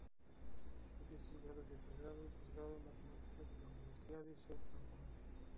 Estudió sus grados de pregrado y posgrado en matemáticas en la Universidad de Southampton.